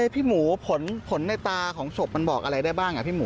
พี่หมูผลในตาของศพมันบอกอะไรได้บ้างพี่หมู